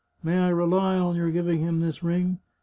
" May I rely on your giving him this ring?